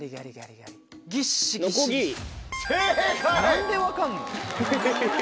何で分かんの？